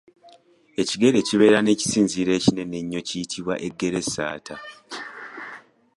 Ekigere ekibeera n’ekisinziiro ekinene ennyo kiyitibwa eggeressaata.